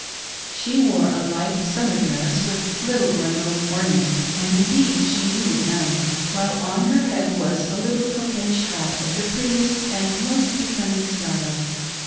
She wore a light summer dress, with little or no ornament, and indeed she needed none ; while on her head was a little coquettish hat of the prettiest and most becoming style.